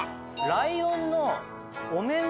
ライオンの。